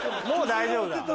もう大丈夫だ。